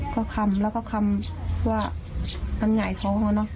ก็คำแล้วก็คำว่ามันหงายท้องอะเนอะ